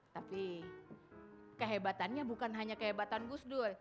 tapi kehebatannya bukan hanya kehebatan gus dur